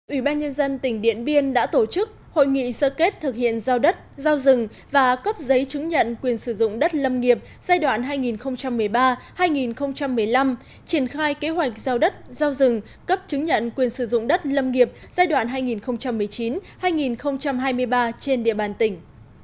ủy ban nhân dân tỉnh điện biên đã tổ chức hội nghị sơ kết thực hiện giao đất giao rừng và cấp giấy chứng nhận quyền sử dụng đất lâm nghiệp giai đoạn hai nghìn một mươi ba hai nghìn một mươi năm triển khai kế hoạch giao đất giao rừng cấp chứng nhận quyền sử dụng đất lâm nghiệp giai đoạn hai nghìn một mươi chín hai nghìn hai mươi ba trên địa bàn tỉnh